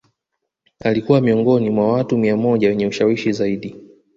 Alikua miongoni mwa watu mia moja wenye ushawishi zaidi